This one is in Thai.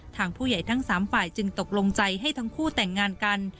ทางผู้ใหญ่ทั้ง๓ฝ่ายจึงตกลงใจให้ทั้งคู่แต่งงานกัน